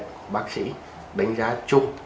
để cho các bác sĩ đánh giá chung